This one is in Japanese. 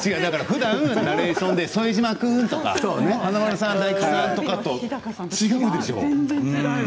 ふだん、ナレーションで副島君とか華丸さん大吉さんとかと違うんですよ。